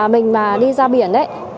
mình mà đi ra biển ấy